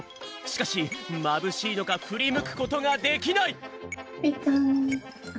しかしまぶしいのかふりむくことができない！